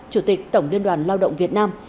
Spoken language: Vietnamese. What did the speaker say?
chủ tịch tổng liên đoàn lao động việt nam